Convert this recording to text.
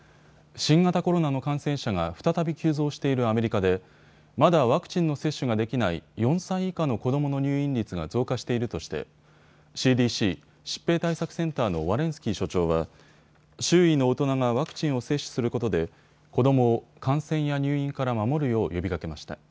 新型コロナの感染者が再び急増しているアメリカでまだワクチンの接種ができない４歳以下の子どもの入院率が増加しているとしてＣＤＣ・疾病対策センターのワレンスキー所長は周囲の大人がワクチンを接種することで子どもを感染や入院から守るよう呼びかけました。